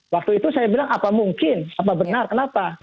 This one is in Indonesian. waktu itu saya bilang apa mungkin apa benar kenapa